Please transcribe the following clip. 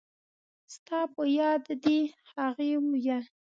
ستا په یاد دي؟ هغې وویل.